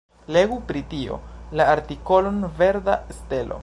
Legu pri tio la artikolon Verda stelo.